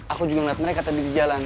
aku juga melihat mereka tadi ke jalan